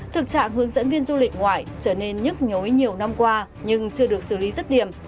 thực trạng hướng dẫn viên du lịch ngoại trở nên nhức nhối nhiều năm qua nhưng chưa được xử lý rất điểm